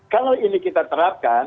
kalau ini kita terapkan